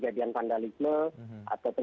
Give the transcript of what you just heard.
jadi sejauh ini masyarakat kita aman